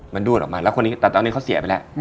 มันดูดออกมาแล้วตอนนี้เขาเสียไปเนี่ย